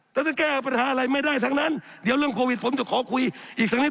แต่ถ้าแก้ปัญหาอะไรไม่ได้ทั้งนั้นเดี๋ยวเรื่องโควิดผมจะขอคุยอีกสักนิด